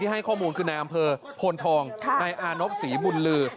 ให้ข้อมูลคือในอำเภอโพนทองนายอานพศรีบุญลือ